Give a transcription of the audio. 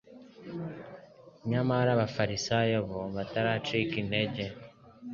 Nyamara abafarisayo bo bataracika intege,